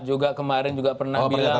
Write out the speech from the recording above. juga kemarin juga pernah bilang